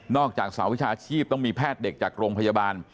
จากสาวิชาชีพต้องมีแพทย์เด็กจากโรงพยาบาล